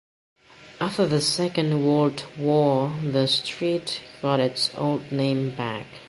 After the Second World War the street got its old name back.